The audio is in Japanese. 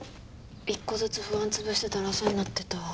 一個ずつ不安潰してたら朝になってたわ。